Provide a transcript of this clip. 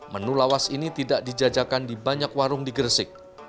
menu lawas ini tidak dijajakan di banyak warung di gresik